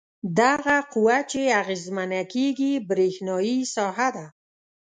دغه قوه چې اغیزمنه کیږي برېښنايي ساحه ده.